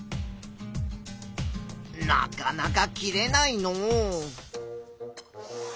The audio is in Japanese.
なかなか切れないのう。